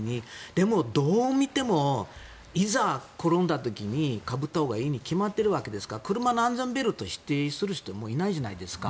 でも、どう見てもいざ転んだ時にかぶったほうがいいに決まってるわけですから車の安全ベルトを否定する人いないじゃないですか。